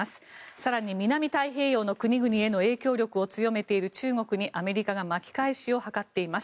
更に、南太平洋の国々への影響力を強めている中国にアメリカが巻き返しを図っています。